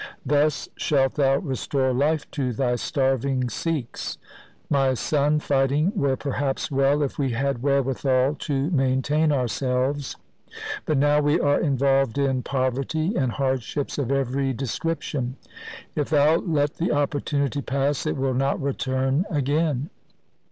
Thus shalt thou restore life to thy starving Sikhs. My son, fighting were perhaps well if we had wherewithal to maintain ourselves; but now we are involved in poverty and hardships of every description. If thou let the opportunity pass, it will not return again.